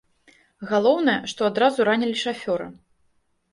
Галоўнае, што адразу ранілі шафёра.